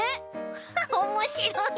ハハッおもしろい！